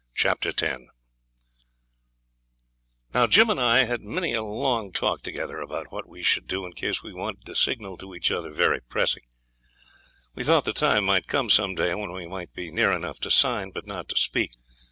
Chapter 10 Now Jim and I had had many a long talk together about what we should do in case we wanted to signal to each other very pressing. We thought the time might come some day when we might be near enough to sign, but not to speak.